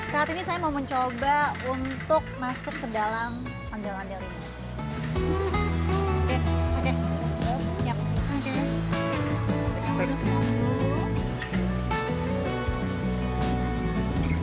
saat ini saya mau mencoba untuk masuk ke dalam ondel ondel ini